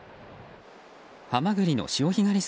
ハマグリの潮干狩り